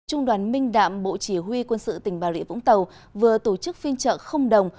trung đoàn minh đạm bộ chỉ huy quân sự tỉnh bà rịa vũng tàu vừa tổ chức phiên chợ không đồng